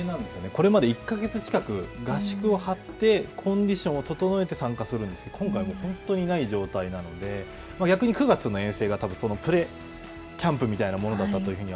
これまで１か月近く、合宿を張って、コンディションを整えて参加するんですけど、今回は本当にない状態なので、逆に９月の遠征がたぶんプレキャンプのようなものだったと。